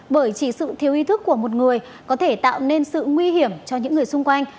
bởi chỉ sự thiếu ý thức của một người có thể tạo nên sự nguy hiểm cho những người xung quanh